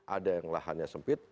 ada yang lahannya sempit